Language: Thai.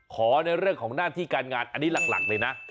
ในเรื่องของหน้าที่การงานอันนี้หลักเลยนะ